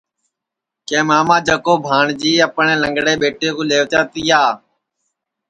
کہ ماما جکو بھانجی جورے اپٹؔے لنگڑے ٻیٹے کُو لئیوتا تیا